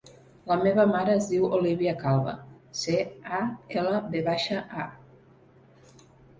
La meva mare es diu Olívia Calva: ce, a, ela, ve baixa, a.